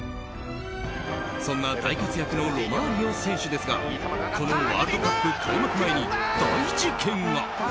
そんな大活躍のロマーリオ選手ですがこのワールドカップ開幕前に大事件が。